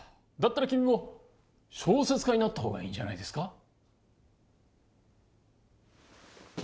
だったら君も小説家になった方がいいんじゃないですか？